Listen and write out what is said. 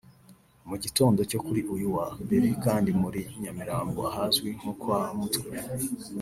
Mu gitondo cyo kuri uyu wa Mbere kandi muri Nyamirambo ahazwi nko kwa Mutwe